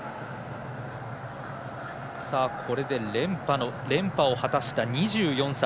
これで、連覇を果たした２４歳。